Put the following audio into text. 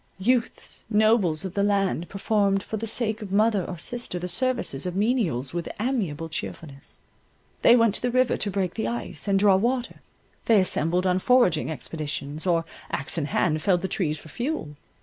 Youths, nobles of the land, performed for the sake of mother or sister, the services of menials with amiable cheerfulness. They went to the river to break the ice, and draw water: they assembled on foraging expeditions, or axe in hand felled the trees for fuel.